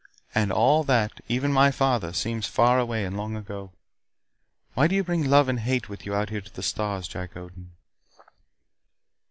And all that even my father seems far away and long ago. Why do you bring love and hate with you out here to the stars, Jack Odin?"